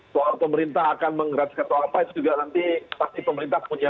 soal pemerintah akan menggratis atau apa itu juga nanti pasti pemerintah punya